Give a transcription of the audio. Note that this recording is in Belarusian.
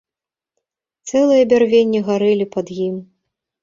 Цэлыя бярвенні гарэлі пад ім.